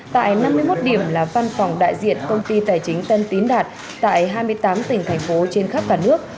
tại năm mươi một điểm là văn phòng đại diện công ty tài chính tân tín đạt tại hai mươi tám tỉnh thành phố trên khắp cả nước